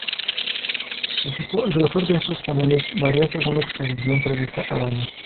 El tipo y grosor de estos paneles varía según la exposición prevista a daños.